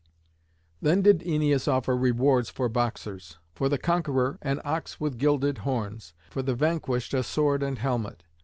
Then did Æneas offer rewards for boxers: for the conqueror an ox with gilded horns; for the vanquished a sword and helmet.